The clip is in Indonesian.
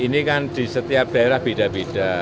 ini kan di setiap daerah beda beda